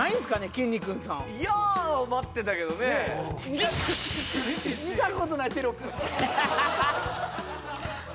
きんに君さんヤー！を待ってたけどね見たことないテロップだよ